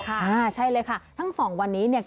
ค่ะใช่เลยค่ะทั้งสองวันนี้เนี่ย